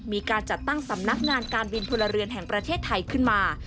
มีการจัดตั้งสำนักงานการบินพลเรือนแห่งประเทศไทยขึ้นมา